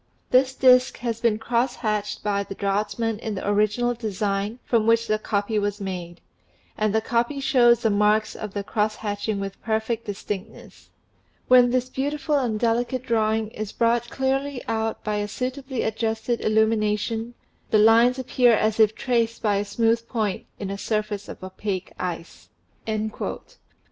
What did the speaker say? This disk has been cross hatched by the draughtsman in the original design from which the copy was made ; and the copy shows the marks of the cross hatching with perfect distinctness. When this beautiful and delicate drawing is brought clearly out by a suitably adjusted illumination, the lines appear as if traced by a smooth point in a surface of opaque ice."